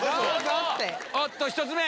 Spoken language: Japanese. おっと１つ目！